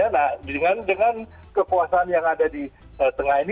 nah dengan kekuasaan yang ada di tengah ini